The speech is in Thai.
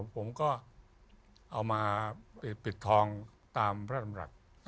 ผมก็เอามาปิดทองตามพระราชดำรัฐ